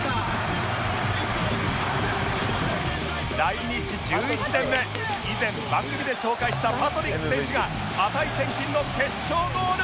来日１１年目以前番組で紹介したパトリック選手が値千金の決勝ゴール！